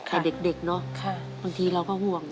แต่เด็กเนอะบางทีเราก็ห่วง